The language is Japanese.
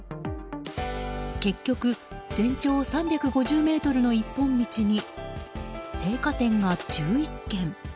結局、全長３５０ｍの一本道に青果店が１１軒。